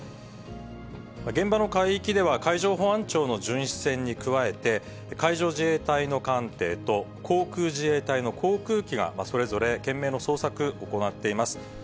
現場の海域では海上保安庁の巡視船に加えて、海上自衛隊の艦艇と航空自衛隊の航空機が、それぞれ懸命の捜索、行っています。